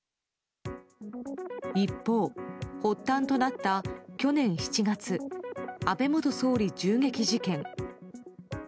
一方、発端となった去年７月安倍元総理銃撃事件。